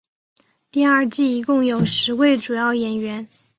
第二季一共有十位主要演员。